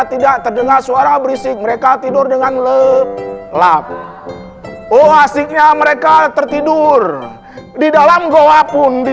terdengar suara berisik mereka tidur dengan leblap oh asiknya mereka tertidur di dalam goa pun di